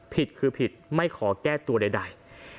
ผิดคือผิดไม่ขอแก้ตัวใด